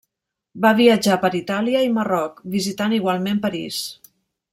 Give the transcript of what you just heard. Va viatjar per Itàlia i Marroc, visitant igualment París.